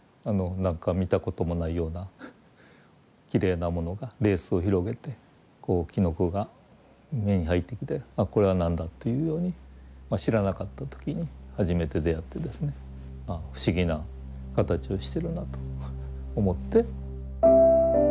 何か見たこともないようなきれいなものがレースを広げてこうきのこが目に入ってきてあっこれは何だというように知らなかった時に初めて出会ってですねああ不思議な形をしてるなと思って。